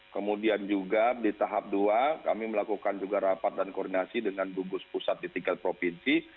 kemudian juga di tahap dua kami melakukan juga rapat dan koordinasi dengan gugus pusat di tingkat provinsi